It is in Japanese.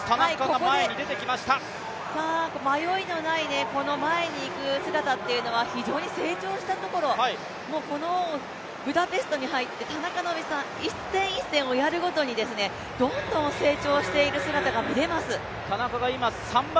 ここで迷いのない前に行く姿っていうのは非常に成長したところ、このブダペストに入って田中希実さん、一戦一戦をやるごとに、どんどん成長している姿が見れます。